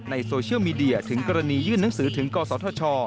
โซเชียลมีเดียถึงกรณียื่นหนังสือถึงกศธช